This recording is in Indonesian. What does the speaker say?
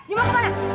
yu mau ke mana